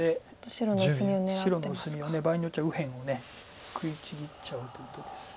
白の薄みを場合によっちゃ右辺を食いちぎっちゃおうという手ですが。